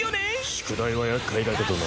宿題は厄介だけどな。